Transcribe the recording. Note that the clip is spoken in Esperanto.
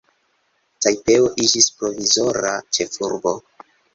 Tajpeo iĝis provizora ĉefurbo.